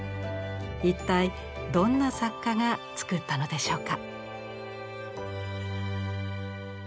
一体どんな作家が作ったのでしょうか？